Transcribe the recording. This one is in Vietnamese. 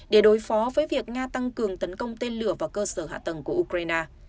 để đối phó với việc nga tăng cường tấn công tên lửa vào cơ sở hạ tầng của ukraine